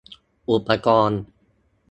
อุปกรณ์